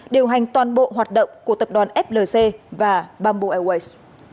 điều hành toàn bộ hoạt động của tập đoàn flc và bamboo airways